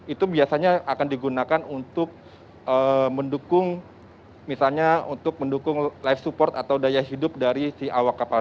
itu biasanya akan digunakan untuk mendukung misalnya untuk mendukung live support atau daya hidup dari si awak kapal